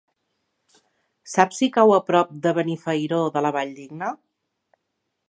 Saps si cau a prop de Benifairó de la Valldigna?